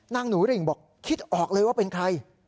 หนูริ่งบอกคิดออกเลยว่าเป็นใคร